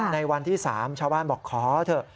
ในวันที่๓ชาวบ้านบอกขอเถอะ